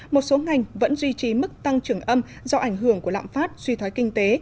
một số ngành vẫn duy trì mức tăng trưởng âm do ảnh hưởng của lạm phát suy thoái kinh tế